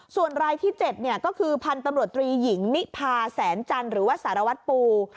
ส่วนรายที่๗ก็คือพันธุ์ตำรวจตรีหญิงนิพาแสนจันทร์หรือว่าสารวัตรปู